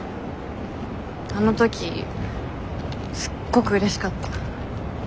あの時すっごくうれしかった。